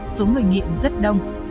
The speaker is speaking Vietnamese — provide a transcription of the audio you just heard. số người nghiện rất đông